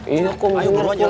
iya kum jangan nyatu